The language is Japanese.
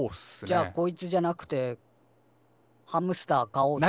じゃあ「こいつじゃなくてハムスター飼おう」ってことに。